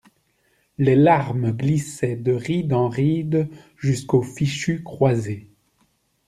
Les larmes glissaient de ride en ride jusqu'au fichu croisé.